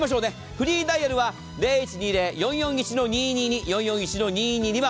フリーダイヤルは０１２０‐４４１‐２２２４４１‐２２２番。